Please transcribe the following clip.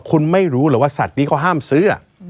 คุณไม่รู้เหรอว่าสัตว์นี้เขาห้ามซื้อ